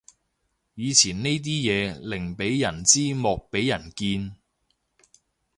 以前呢啲嘢寧俾人知莫俾人見